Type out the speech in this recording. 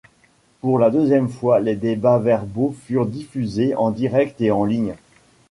Pour la deuxième fois, les débats verbaux furent diffusés en direct et en ligne.